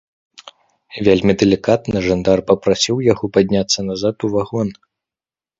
Вельмі далікатна жандар папрасіў яго падняцца назад у вагон.